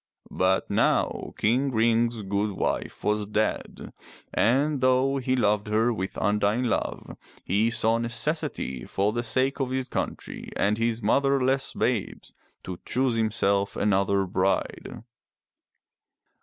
But now King Ring's good wife was dead, and though he loved her with undying love, he saw necessity, for the sake of his country and his motherless babes, to choose himself another bride.